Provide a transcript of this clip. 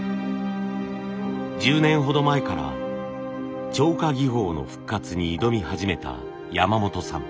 １０年ほど前から貼花技法の復活に挑み始めた山本さん。